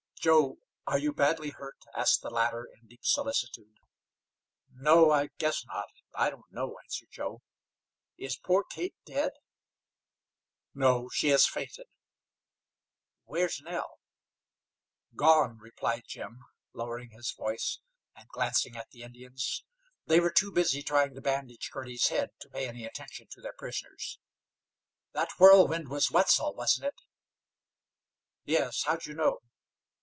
"Joe, are you badly hurt?" asked the latter, in deep solicitude. "No, I guess not; I don't know," answered Joe. "Is poor Kate dead?" "No, she has fainted." "Where's Nell?" "Gone," replied Jim, lowering his voice, and glancing at the Indians. They were too busy trying to bandage Girty's head to pay any attention to their prisoners. "That whirlwind was Wetzel, wasn't it?" "Yes; how'd you know?"